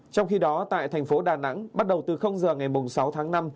trong khi đó tại thành phố đà nẵng bắt đầu từ giờ ngày sáu tháng năm